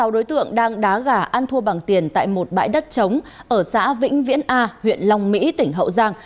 sáu đối tượng đang đá gà ăn thua bằng tiền tại một bãi đất trống ở xã vĩnh viễn a huyện long mỹ tỉnh hậu giang